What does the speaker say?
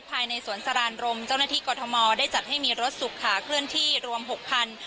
ภายในสวนสรานรมเจ้าหน้าที่กรทมได้จัดให้มีรถสุขาเคลื่อนที่รวม๖คัน